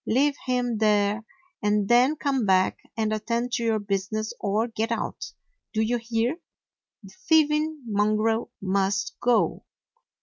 Leave him there, and then come back and attend to your business or get out. Do you hear? The thieving mon grel must go.